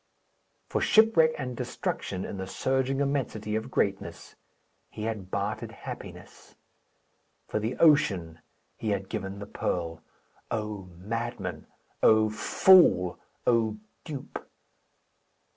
For shipwreck and destruction in the surging immensity of greatness, he had bartered happiness. For the ocean he had given the pearl. O madman! O fool! O dupe!